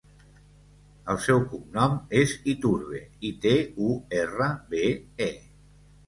El seu cognom és Iturbe: i, te, u, erra, be, e.